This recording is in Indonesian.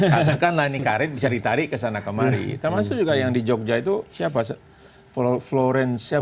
katakanlah ini karet bisa ditarik ke sana kemari termasuk juga yang di jogja itu siapa florence nya